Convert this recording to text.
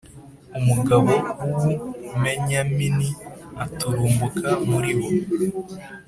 Umugabo w Umubenyamini aturumbuka muri bo